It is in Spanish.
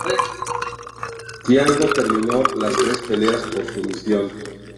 Thiago terminó las tres peleas por sumisión.